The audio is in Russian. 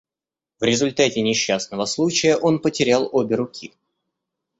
В результате несчастного случая он потерял обе руки.